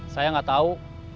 saya gak tahu